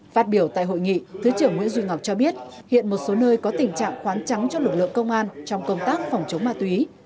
phát biểu tại hội nghị thứ trưởng nguyễn duy ngọc cho biết hiện một số nơi có tình trạng khoán trắng cho lực lượng công an trong công tác phòng chống ma túy